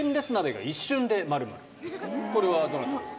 これはどなたですか？